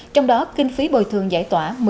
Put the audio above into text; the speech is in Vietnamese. trong đó kinh phí bồi thường giải tỏa